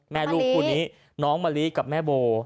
แม่ลูกคู่นี้น้องมะลิกับแม่โบ